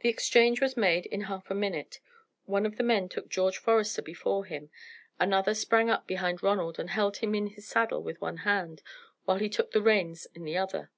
The exchange was made in half a minute; one of the men took George Forester before him, another sprang up behind Ronald and held him in his saddle with one hand, while he took the reins in the other.